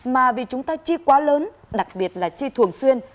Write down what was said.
mà vì chúng ta chi quá lớn đặc biệt là chi thường xuyên